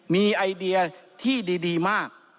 มีไอเดียที่ดีมาก